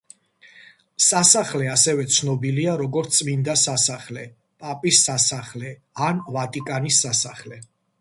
სასახლე ასევე ცნობილია როგორც წმინდა სასახლე, პაპის სასახლე ან ვატიკანის სასახლე.